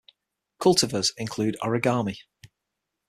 Cultivars include 'Origami'